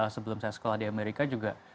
sebelum saya sekolah di amerika juga